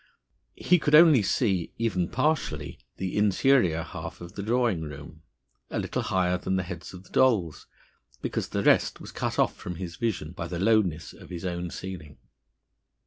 He could only see, even partially, the interior half of the drawing room, a little higher than the heads of the dolls, because the rest was cut off from his vision by the lowness of his own ceiling.